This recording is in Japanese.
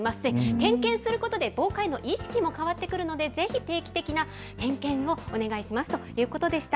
点検することで、防火への意識も変わってくるので、ぜひ定期的な点検をお願いしますということでした。